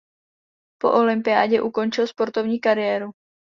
Po olympiádě ukončil sportovní kariéru.